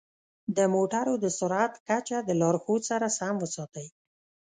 د موټرو د سرعت کچه د لارښود سره سم وساتئ.